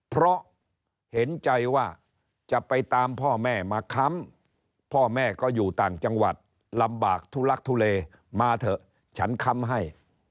เพราะเห็นใจว่าจะไปตามพ่อแม่มาค้ำพ่อแม่ก็อยู่ต่างจังหวัดลำบากทุลักทุเลมาเถอะฉันค้ำให้